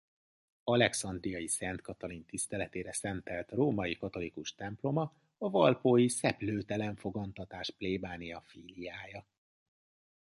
Alexandriai Szent Katalin tiszteletére szentelt római katolikus temploma a valpói Szeplőtelen fogantatás plébánia filiája.